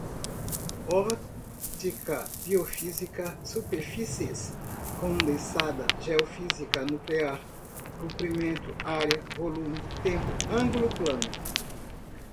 óptica, biofísica, superfícies, condensada, geofísica, nuclear, comprimento, área, volume, tempo, ângulo plano